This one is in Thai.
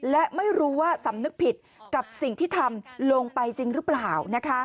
และไม่รู้ว่าสำนึกผิดกับสิ่งที่ทำลงไปจริงหรือเปล่า